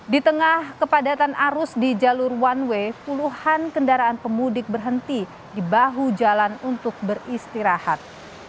di tengah kepadatan arus di jalur one way puluhan kendaraan pemudik berhenti di bahu jalan untuk beristirahat